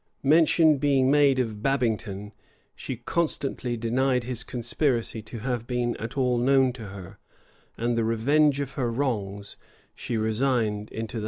Mention being made of Babington, she constantly denied his conspiracy to have been at all known to her; and the revenge of her wrongs she resigned into the hands of the Almighty.